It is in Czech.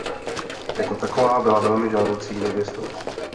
Jako taková byla velmi žádoucí nevěstou.